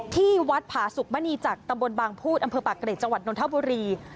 ที่วัดผ่าศุกร์บรรณีจากตำบลบางพูทอ่ำเผอร์ปะเกร็ดจังหวัดนตธบุรี